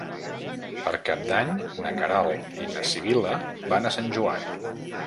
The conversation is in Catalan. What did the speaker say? Per Cap d'Any na Queralt i na Sibil·la van a Sant Joan.